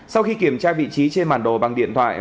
sau khi kiểm tra vị trí trên bản đồ bằng điện thoại